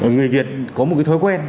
người việt có một cái thói quen